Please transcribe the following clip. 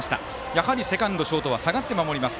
やはりセカンド、ショートは下がって守ります。